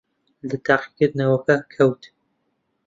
لە تاقیکردنەوەکە کەوت.